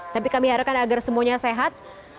tapi kami harapkan agar semuanya sehat